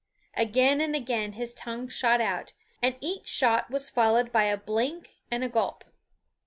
Again and again his tongue shot out, and each shot was followed by a blink and a gulp.